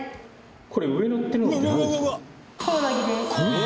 これ上にのってるのはなんですか？